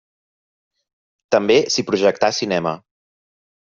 També s'hi projectà cinema.